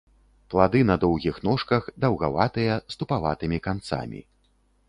Плады на доўгіх ножках, даўгаватыя, з тупаватымі канцамі.